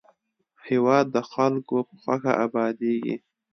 هېواد د خلکو په خوښه ابادېږي.